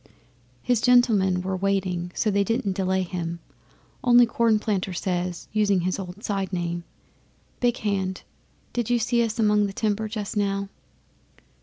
'" 'His gentlemen were waiting, so they didn't delay him , only Cornplanter says, using his old side name, "Big Hand, did you see us among the timber just now?"